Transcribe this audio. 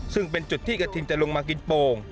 ซึ่งเป็นจุดที่กระทิงจะลงมากินโป่ง